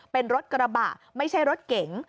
เป็นรถกระบะไม่ใช่รถเก๋ง